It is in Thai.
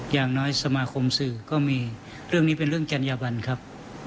อย่างน้อยสมาคมสื่อก็มีเรื่องนี้เป็นเรื่องจัญญาบันครับ